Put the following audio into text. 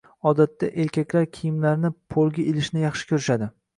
Odatda erkaklar kiyimlarini polga ilishni xush ko'rishadi..